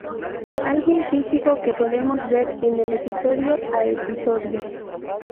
Alguien físico que podemos ver en el episodio a episodio.